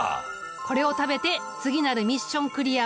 これを食べて次なるミッションクリアを目指してくれ。